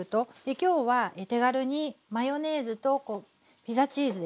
今日は手軽にマヨネーズとピザチーズですね。